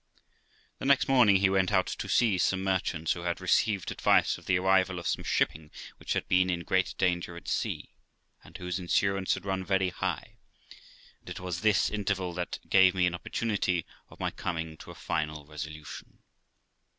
The next morning he went out to see some merchants, who had received advice of the arrival of some shipping which had been in great danger at sea, and whose insurance had run very high; and it was this interval that gave me an opportunity of my coming to a final resolution.